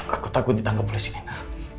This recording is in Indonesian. aku takut ditangkap polisi nina